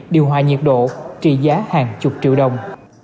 điều hòa nhiệt độ trị giá hàng chục triệu đồng